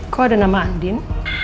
kok ada nama andin